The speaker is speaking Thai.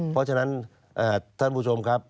เพราะฉะนั้นท่านผู้ชมครับ